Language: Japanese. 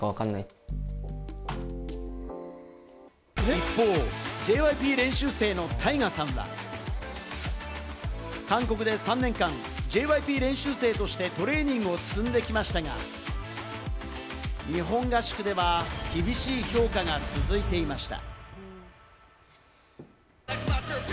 一方、ＪＹＰ練習生のタイガさんは、韓国で３年間、ＪＹＰ練習生としてトレーニングを積んできましたが、日本合宿では厳しい評価が続いていました。